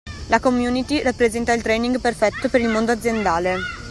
La community rappresenta il training perfetto per il mondo aziendale.